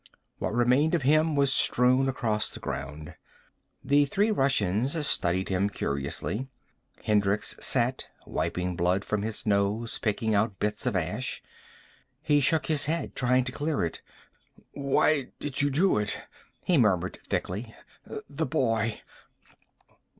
What remained of him was strewn across the ground. The three Russians studied him curiously. Hendricks sat, wiping blood from his nose, picking out bits of ash. He shook his head, trying to clear it. "Why did you do it?" he murmured thickly. "The boy."